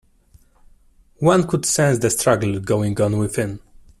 One could sense the struggle going on within.